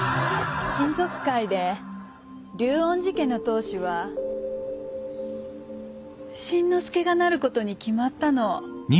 親族会で竜恩寺家の当主は新之介がなることに決まったの